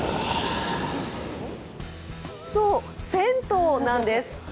そう、銭湯なんです。